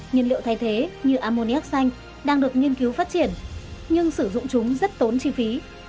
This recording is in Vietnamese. nhiên liệu thay thế như amoniac xanh đang được nghiên cứu phát triển nhưng sử dụng chúng rất tốn chi phí